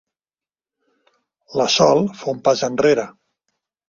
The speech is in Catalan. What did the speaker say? La Sol fa un pas enrere.